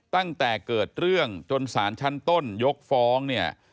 ตั้งแต่เกิดเรื่องจนสารชั้นต้นยกฟ้องเนี่ย